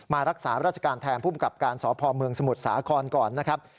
รักษาราชการแทนภูมิกับการสพเมืองสมุทรสาครก่อนนะครับ